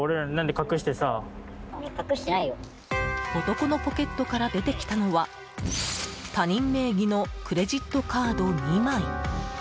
男のポケットから出てきたのは他人名義のクレジットカード２枚。